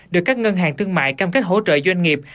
được các ngân hàng thương mại cam kết hỗ trợ doanh nghiệp